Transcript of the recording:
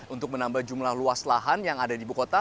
untuk menambah jumlah luas lahan yang ada di bukota